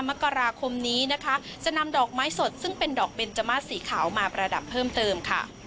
มกราคมนี้นะคะจะนำดอกไม้สดซึ่งเป็นดอกเบนจมาสสีขาวมาประดับเพิ่มเติมค่ะ